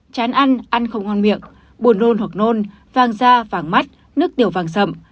chán ăn ăn không ngon miệng buồn nôn hoặc nôn vàng da vàng mắt nước tiểu vàng sầm